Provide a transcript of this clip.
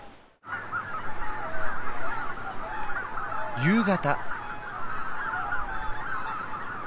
夕方。